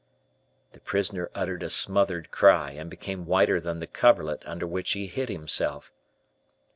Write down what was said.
The prisoner uttered a smothered cry, and became whiter than the coverlet under which he hid himself.